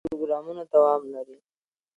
کورني پروګرامونه دوام لري.